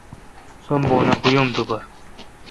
سم بونہ کہ یم تو پر۔